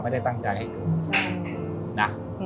เห็ดแต่งงาน